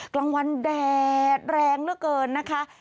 กลางวันแดดแรงเหลือเกินนะคะ